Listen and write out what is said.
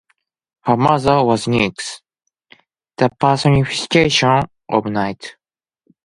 Her mother was Nyx, the personification of night.